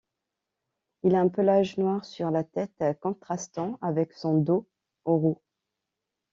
Il a un pelage noir sur la tête contrastant avec son dos roux.